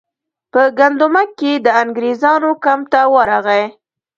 په ګندمک کې د انګریزانو کمپ ته ورغی.